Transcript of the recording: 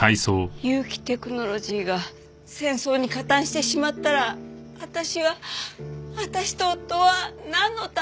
結城テクノロジーが戦争に加担してしまったら私は私と夫はなんのために。